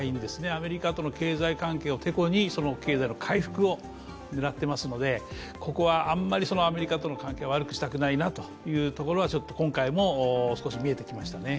アメリカとの経済関係をてこに経済の回復を狙ってますのでここはあんまりアメリカとの関係を悪くしたくないなというのが今回も少し見えてきましたね。